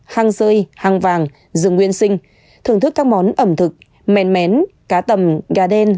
hang rơi hang vàng rừng nguyên sinh thưởng thức các món ẩm thực men mén cá tầm gà đen